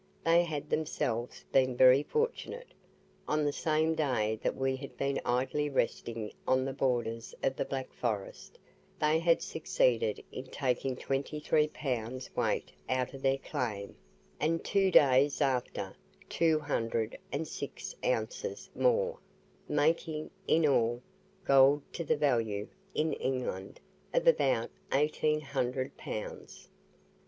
They had themselves been very fortunate. On the same day that we had been idly resting on the borders of the Black Forest, they had succeeded in taking twenty three pounds weight out of their claim, and two days after, two hundred and six ounces more, making, in all, gold to the value (in England) of about eighteen hundred pounds.